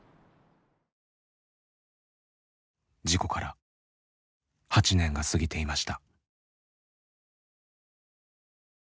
事故から８年が過ぎていました。